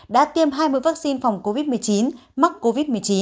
đã tiêm hai mươi vaccine phòng covid một mươi chín mắc covid một mươi chín